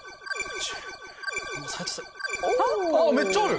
めっちゃある！